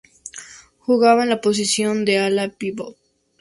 Jugaba en la posición de ala-pívot.